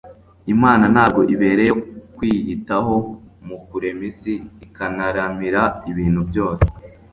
Imana ntabwo ibereyeho kwiyitaho. Mu kurema isi, ikanaramira ibintu byose,